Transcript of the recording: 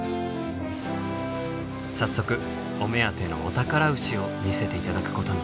早速お目当てのお宝牛を見せて頂くことに。